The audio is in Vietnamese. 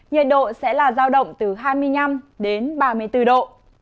nhiệt độ sẽ là giao động từ hai mươi năm đến ba mươi bốn độ